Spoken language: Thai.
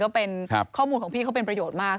ก็เป็นข้อมูลของพี่เขาเป็นประโยชน์มาก